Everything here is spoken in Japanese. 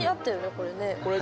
これね。